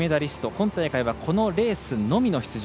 今大会はこのレースのみの出場。